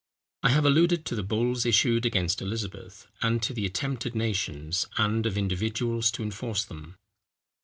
I have alluded to the bulls issued against Elizabeth, and to the attempts of nations, and of individuals, to enforce them.